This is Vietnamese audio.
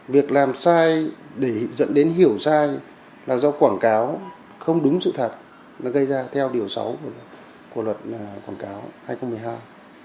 việc làm sai để dẫn đến hiểu sai là do quảng cáo không đúng sự thật gây ra theo điều sáu của luật quảng cáo hai nghìn một mươi hai